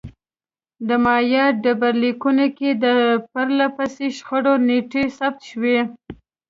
د مایا ډبرلیکونو کې د پرله پسې شخړو نېټې ثبت شوې